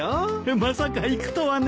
まさか行くとはね。